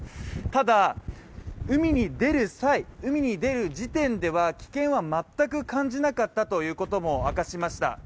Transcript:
ただ、海に出る際、海に出る時点では危険は全く感じなかったということも明かしました。